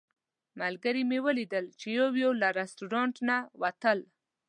ملګري مې لیدل چې یو یو له رسټورانټ نه ووتل.